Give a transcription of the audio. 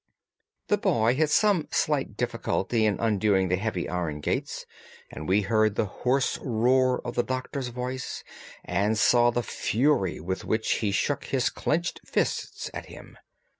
The boy had some slight difficulty in undoing the heavy iron gates, and we heard the hoarse roar of the Doctor's voice and saw the fury with which he shook his clinched fists at him.